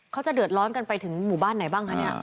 เขาจะเดือดร้อนกันไปถึงหมู่บ้านไหนบ้างคะเนี่ย